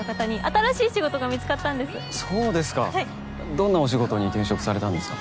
どんなお仕事に転職されたんですか？